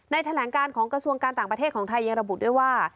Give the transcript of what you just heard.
แถลงการของกระทรวงการต่างประเทศของไทยยังระบุด้วยว่า